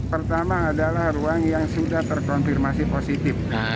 pertama adalah ruang yang sudah terkonfirmasi positif